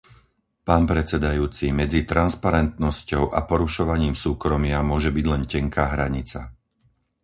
Pán predsedajúci, medzi transparentnosťou a porušovaním súkromia môže byť len tenká hranica.